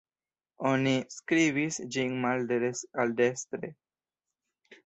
Oni skribis ĝin maldekstr-al-dekstre.